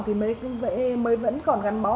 thì mới vẫn còn gắn bó